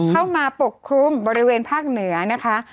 ปกคลุมบริเวณภาคเหนือนะคะ